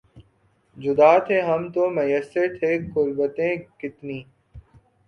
جدا تھے ہم تو میسر تھیں قربتیں کتنی